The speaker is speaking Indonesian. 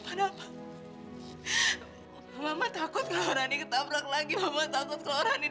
enggak ken kamu gak boleh pergi